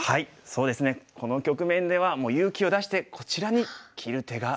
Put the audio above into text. そうですねこの局面ではもう勇気を出してこちらに切る手が。